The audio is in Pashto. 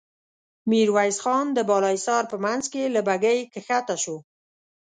ميرويس خان د بالا حصار په مينځ کې له بګۍ کښته شو.